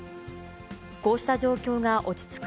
こうした状況が落ち着く